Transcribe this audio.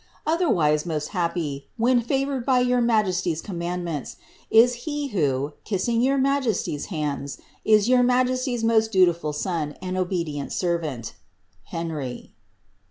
Otherwise, most happy, when favoured by your majesty's commandments, is he who, kissing your majesty's hands, is your migesty's most dutiful son, and obe dient servant, "Heitbt."